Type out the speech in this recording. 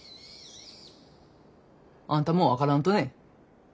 あんたも分からんとね？